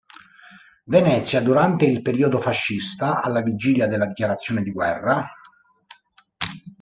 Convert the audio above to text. Venezia, durante il periodo fascista, alla vigilia della dichiarazione di guerra.